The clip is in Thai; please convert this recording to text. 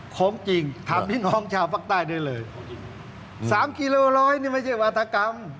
ของจริงทำให้น้องชาวภาคใต้ได้เลยสามกิโลร้อยนี่ไม่ใช่วาธกรรม